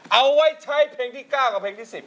เอาไว้ใช้เพลงที่๙กับเพลงที่๑๐